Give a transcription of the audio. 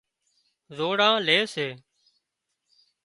زوڙان لي سي